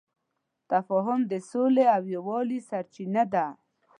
تفاهم د سولې او یووالي سرچینه ده.